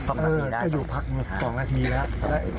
ก็อยู่พักนึงสองนาทีแล้ว